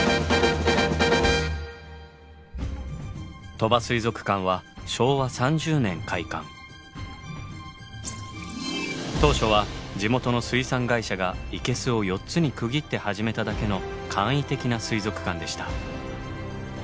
鳥羽水族館は当初は地元の水産会社が生けすを４つに区切って始めただけの簡易的な水族館でした。